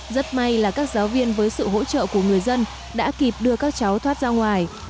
rất may là các giáo viên với sự hỗ trợ của người dân đã kịp đưa các cháu thoát ra ngoài